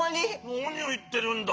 なにをいってるんだ。